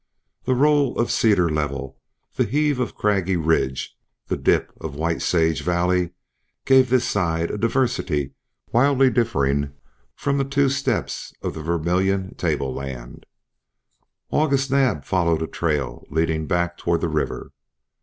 The roll of cedar level, the heave of craggy ridge, the dip of white sage valley gave this side a diversity widely differing from the two steps of the Vermillion tableland. August Naab followed a trail leading back toward the river.